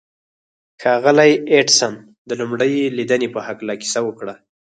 ښاغلي ايډېسن د لومړۍ ليدنې په هکله کيسه وکړه.